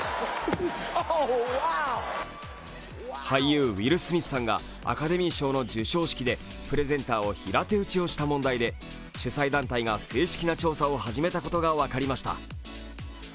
俳優、ウィル・スミスさんがアカデミー賞の授賞式でプレゼンターを平手打ちをした問で主催団体が正式な調査を始めたことが分かりました。